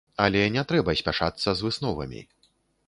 Але не трэба спяшацца з высновамі.